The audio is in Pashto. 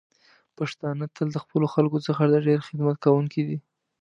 پښتانه تل د خپلو خلکو څخه د ډیر خدمت کوونکی دی.